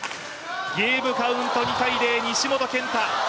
ゲームカウント２−０西本拳太。